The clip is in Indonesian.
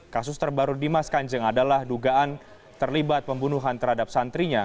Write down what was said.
kasus terbaru dimas kanjeng adalah dugaan terlibat pembunuhan terhadap santrinya